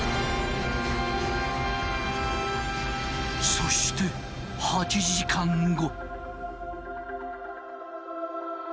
そして８時間後。